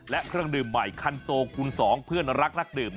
และเครื่องดื่มใหม่คันโซคูณ๒เพื่อนรักนักดื่ม